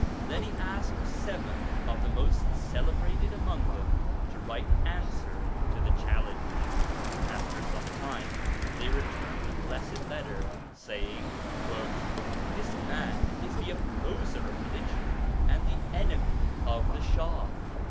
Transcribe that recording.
Then he asked seven of the most celebrated among them to write an answer to the challenge. After some time they returned the blessed letter, saying, ' This man is the opposer of religion and the enemy of the Shah.'